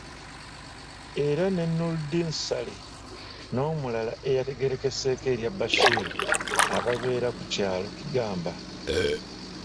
Era ne Noordin Ssali n'omulala eyategeerekeseeko erya Bashir ababeera ku kyalo Kigamba.